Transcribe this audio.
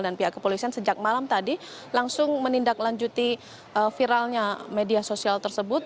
dan pihak kepolisian sejak malam tadi langsung menindaklanjuti viralnya media sosial tersebut